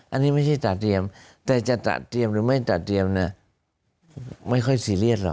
อันนี้ไม่ใช่ตัดเตรียมแต่จะตัดเตรียมหรือไม่ตัดเตรียมเนี่ยไม่ค่อยซีเรียสหรอก